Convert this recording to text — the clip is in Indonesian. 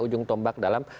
ujung tombak dalam